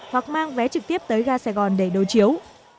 hoặc mang vé trực tiếp tới ga sài gòn để đối chiếu